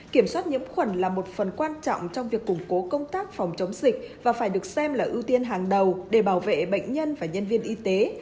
kiểm soát nhiễm khuẩn là một phần quan trọng trong việc củng cố công tác phòng chống dịch và phải được xem là ưu tiên hàng đầu để bảo vệ bệnh nhân và nhân viên y tế